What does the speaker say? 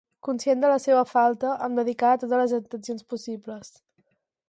Conscient de la seua falta, em dedicava totes les atencions possibles.